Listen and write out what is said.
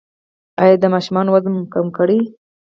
ایا د ماشومانو وزن مو کړی؟